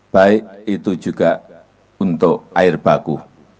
baik itu juga untuk air baku